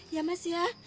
ya mas ya